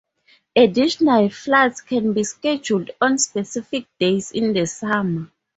Additional flights can be scheduled on specific days in the summer.